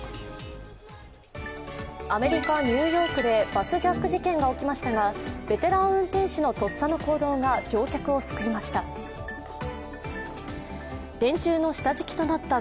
アメリカ・ニューヨークでバスジャック事件が起きましたがベテラン運転手のとっさの行動が乗客を救いました。